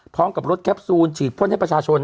พร้อมกับรถแคปซูลฉีดพ่นให้ประชาชน